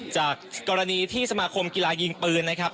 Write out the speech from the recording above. จากกรณีที่สมาคมกีฬายิงปืนนะครับ